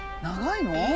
長いの？